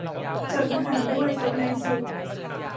จดอาหารด้วย โต๊ะในสุด